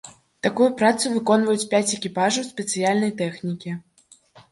Такую працу выконваюць пяць экіпажаў спецыяльнай тэхнікі.